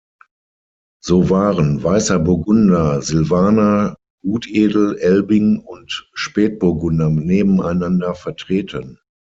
So waren Weißer Burgunder, Silvaner, Gutedel, Elbling und Spätburgunder nebeneinander vertreten.